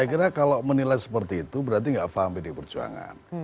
ya saya kira kalau menilai seperti itu berarti gak faham pdi perjuangan